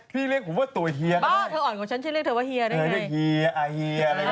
พี่เรียกผมว่าตัวเฮียไปเลยได้แล้วกัน